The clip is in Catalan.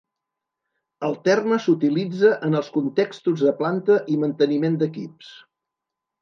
El terme s'utilitza en els contextos de planta i manteniment d'equips.